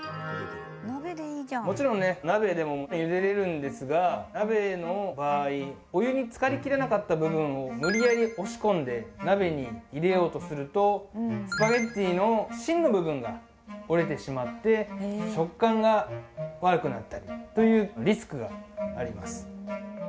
もちろんね鍋でもゆでれるんですが鍋の場合お湯につかり切れなかった部分をむりやり押し込んで鍋に入れようとするとスパゲッティの芯の部分が折れてしまって食感が悪くなったりというリスクがあります。